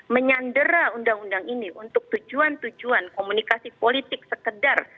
menyandera undang undang ini untuk tujuan tujuan komunikasi politik sekedar